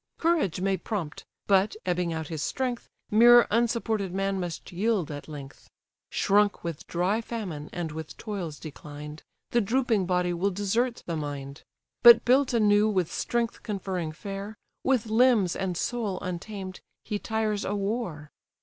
Courage may prompt; but, ebbing out his strength, Mere unsupported man must yield at length; Shrunk with dry famine, and with toils declined, The drooping body will desert the mind: But built anew with strength conferring fare, With limbs and soul untamed, he tires a war.